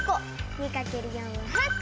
２かける４は８こ！